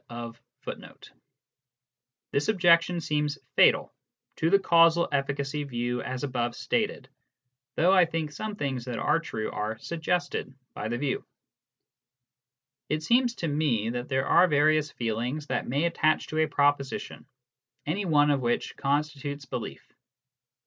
* This objection seems fatal to the causal efficacy view as above stated, though I think some things that are true are suggested by the view. It seems to me that there are various feelings that may attach to a proposition, any one of which constitutes belief.